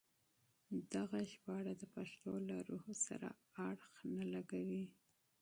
دغه ژباړه د پښتو له روح سره اړخ نه لګوي.